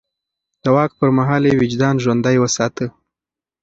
د واک پر مهال يې وجدان ژوندی وساته.